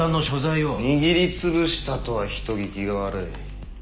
握りつぶしたとは人聞きが悪い。